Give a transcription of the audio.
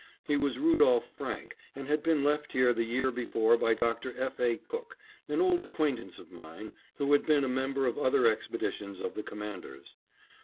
He was Rudolph Franke and had been left here the year before by Dr. F. A. Cook, an old acquaintance of mine, who had been a member of other expeditions of the Commander's.